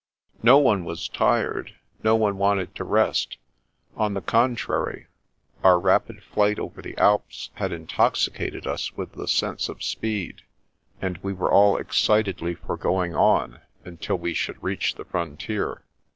No one was tired ; no one wanted to rest. On the contrary, our rapid flight over the Alps had intoxi cated us with the sense of speed; and we were all excitedly for going on until we should reach the frontier.